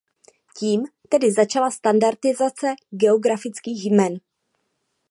Tím tedy začala standardizace geografických jmen.